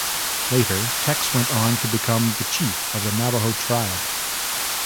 Later, Tex himself went on to become the Chief of the Navajo tribe.